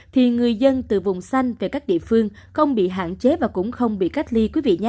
thì người dân từ vùng xanh về các địa phương không bị hạn chế và cũng không bị cách ly quý vị